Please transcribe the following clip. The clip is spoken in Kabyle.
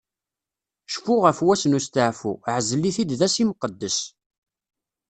Cfu ɣef wass n usteɛfu, ɛzel-it-id d ass imqeddes.